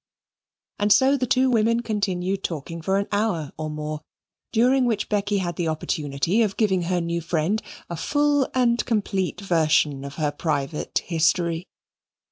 And so the two women continued talking for an hour or more, during which Becky had the opportunity of giving her new friend a full and complete version of her private history.